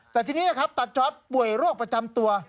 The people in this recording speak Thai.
แต่ทีนี้ตาจอสป่วยโรคประจำตัว